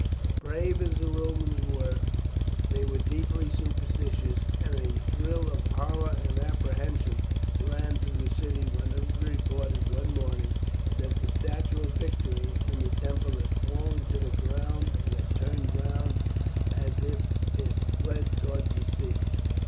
Brave as the Romans were, they were deeply superstitious, and a thrill of horror and apprehension ran through the city when it was reported one morning that the statute of Victory in the temple had fallen to the ground, and had turned round as if it fled towards the sea.